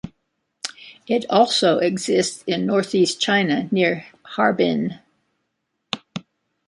It also exists in Northeast China, near Harbin.